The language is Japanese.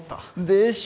でしょ？